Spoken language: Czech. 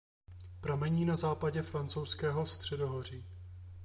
Pramení na západě Francouzského středohoří.